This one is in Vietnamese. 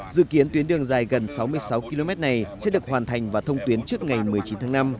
dự kiến tuyến đường dài gần sáu mươi sáu km này sẽ được hoàn thành và thông tuyến trước ngày một mươi chín tháng năm